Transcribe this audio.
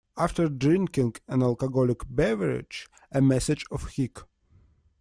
After drinking an alcoholic beverage, a message of Hic!